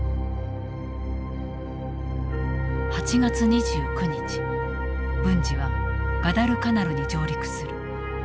８月２９日文次はガダルカナルに上陸する。